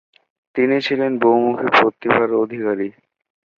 তিনি ছিলেন বহুমুখী প্রতিভার অধিকারী।